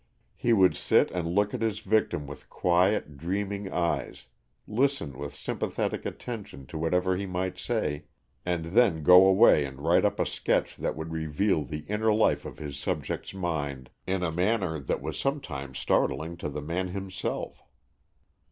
He would sit and look at his victim with quiet, dreaming eyes, listen with sympathetic attention to whatever he might say, and then go away and write up a sketch that would reveal the inner life of his subject's mind in a manner that was sometimes startling to the man himself.